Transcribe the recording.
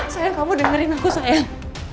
sayang kamu dengerin aku sayang